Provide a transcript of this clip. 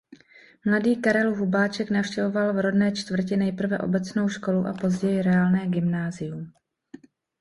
Mladý Karel Hubáček navštěvoval v rodné čtvrti nejprve obecnou školu a později reálné gymnázium.